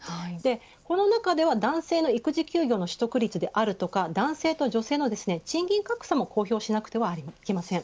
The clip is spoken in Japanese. この中では、男性の育児休業の取得率であるとか男性と女性の賃金格差も公表しなくてはいけません。